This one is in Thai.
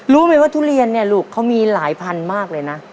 รู้ไหมว่าทุเรียนเนี่ยลูกเขามีหลายพันธุ์มากเลยนะ